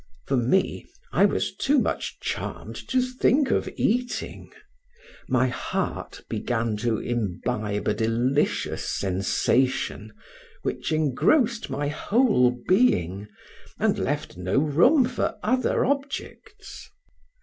For me, I was too much charmed to think of eating; my heart began to imbibe a delicious sensation, which engrossed my whole being, and left no room for other objects.